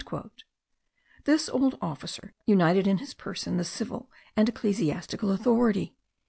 This old officer united in his person the civil and ecclesiastical authority.